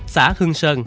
xã hưng sơn